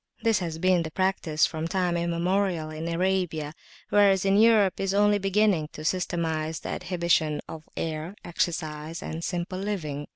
This has been the practice from time immemorial in Arabia, whereas Europe is only beginning to systematise the adhibition of air, exercise, and simple living.